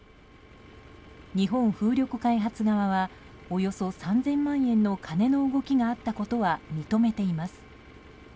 日本風力開発側はおよそ３０００万円の金の動きがあったことは認めています。